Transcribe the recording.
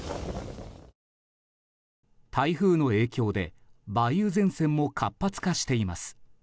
台風の影響で梅雨前線も活発化しています。